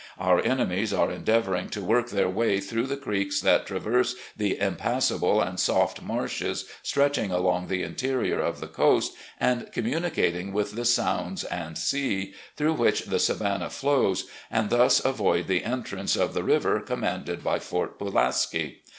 Our enemies are endeavouring to work their way through the creeks that traverse the impassable and soft marshes stretching along the interior of the coast and communicating with the so\mds and sea, through which the Savannah flows, and thus avoid the entrance of the river commanded by Fort Pulaski.